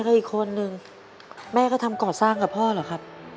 อีกคนนึงแม่ก็ทำก่อสร้างกับพ่อเหรอครับ